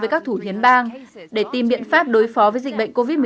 các thủ thiến bang để tìm biện pháp đối phó với dịch bệnh covid một mươi chín